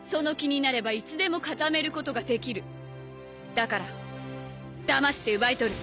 だからだまして奪い取る！